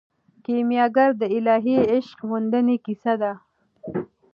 کیمیاګر د الهي عشق موندنې کیسه ده.